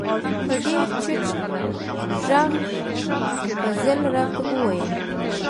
په ډیر ټیټ غږ فضل را ته و ویل: